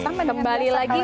sama dengan di sana juga ya